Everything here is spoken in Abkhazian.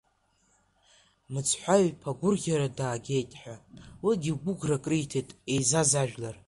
Мыцҳәаҩ иԥа гәырӷьара дагеит ҳәа, уигьы гәыӷрак риҭеит еизаз ажәлар.